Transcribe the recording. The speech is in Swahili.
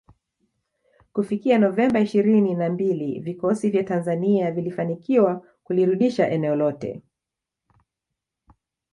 Kufifikia Novemba ishirini na mbili vikosi vya Tanzania vilifanikiwa kulirudisha eneo lote